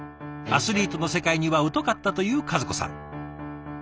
アスリートの世界には疎かったという和子さん。